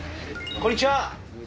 こんにちは。